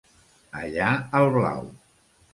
Allà al blau.